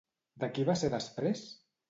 De qui va ser després?